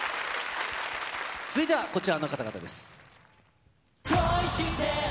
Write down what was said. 続いてはこちらの方々です。